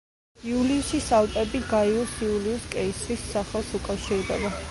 იულიუსის ალპები გაიუს იულიუს კეისრის სახელს უკავშირდება.